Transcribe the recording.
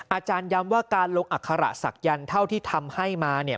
อาจารย์ย้ำว่าการลงอัฆรสักยันที่ทำให้มาเนี่ย